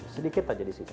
sedikit saja di sini